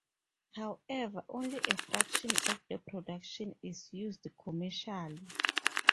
However, only a fraction of the production is used commercially.